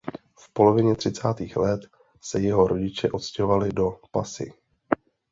V polovině třicátých let se jeho rodiče odstěhovali do Passy.